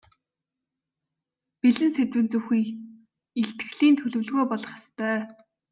Бэлэн сэдэв нь зөвхөн илтгэлийн төлөвлөгөө болох ёстой.